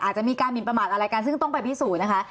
อาจจะมีการหมินประมาทอะไรกันซึ่งต้องไปพิสูจน์นะคะ